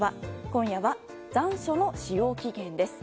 今夜は残暑の使用期限です。